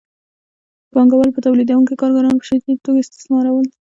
پانګوالو به تولیدونکي کارګران په شدیده توګه استثمارول